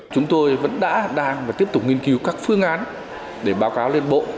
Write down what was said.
chúng tôi vẫn đã đang và tiếp tục nghiên cứu các phương án để báo cáo lên bộ